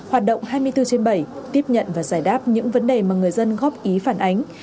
hoạt động hai mươi bốn trên bảy tiếp nhận và giải đáp những vấn đề mà người dân góp ý phản ánh